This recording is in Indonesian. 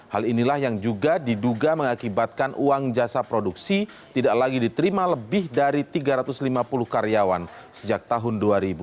hal inilah yang juga diduga mengakibatkan uang jasa produksi tidak lagi diterima lebih dari tiga ratus lima puluh karyawan sejak tahun dua ribu dua